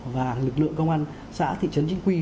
và lực lượng công an xã thị trấn chính quy